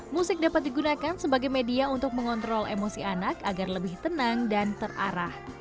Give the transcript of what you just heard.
musik dapat digunakan sebagai media untuk mengontrol emosi anak agar lebih tenang dan terarah